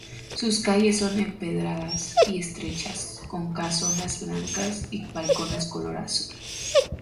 Sus calles son empedradas y estrechas con casonas blancas y balcones de color azul.